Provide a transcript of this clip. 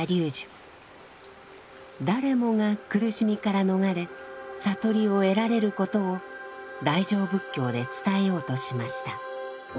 誰もが苦しみから逃れ悟りを得られることを大乗仏教で伝えようとしました。